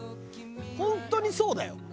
本当にそうだよ。